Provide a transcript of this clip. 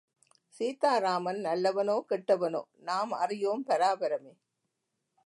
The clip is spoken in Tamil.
சீதாராமன் நல்லவனோ, கெட்டவனோ, நாம் அறியோம், பராபரமே!